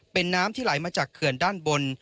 เป็นน้ำที่ไหลมาจากเขื่อนด้านบน